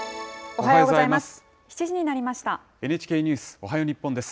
おはようございます。